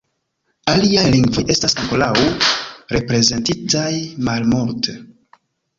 Aliaj lingvoj estas ankoraŭ reprezentitaj malmulte.